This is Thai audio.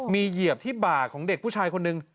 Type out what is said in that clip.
มีเหยียบที่บ่าของเด็กผู้ชายคนนึง